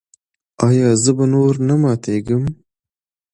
ایا زه به نور نه ماتیږم؟